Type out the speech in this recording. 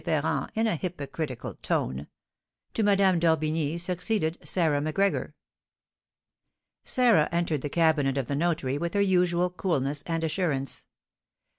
Ferrand, in a hypocritical tone. To Madame d'Orbigny succeeded Sarah Macgregor. Sarah entered the cabinet of the notary with her usual coolness and assurance.